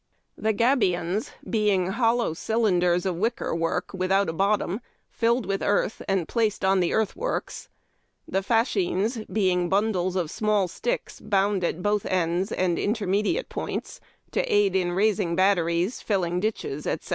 The Gabions., being hollow cylinders of wicker work with out bottom, filled with earth, and placed on the earthworks; the Fascines, being bundles of small sticks bound at both AliMV ROAD AND BRIDGE BUILDERS. 381 ends and intermediate points, to aid in raising batteries, filling ditches, etc.